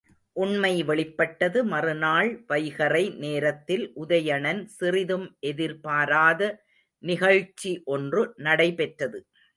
உண்மை வெளிப்பட்டது மறுநாள் வைகறை நேரத்தில் உதயணன் சிறிதும் எதிர்பாராத நிகழ்ச்சி ஒன்று நடைபெற்றது.